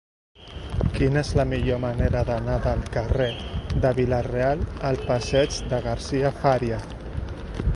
Quina és la millor manera d'anar del carrer de Vila-real al passeig de Garcia Fària?